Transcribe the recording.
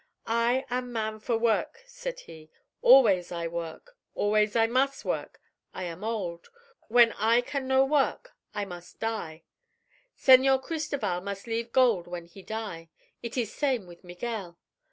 "I am man for work," said he. "Always I work; always I mus' work. I am old. When I can no work, I mus' die. Señor Cristoval mus' leave gold when he die; it ees same with Miguel.